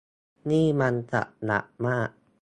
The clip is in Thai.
นี่มันจัดหนักมาก